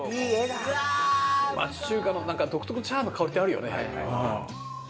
町中華のなんか独特のチャーハンの香りってあるよね。